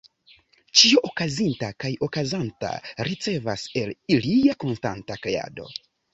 Ĉio okazinta kaj okazanta ricevas el lia konstanta kreado.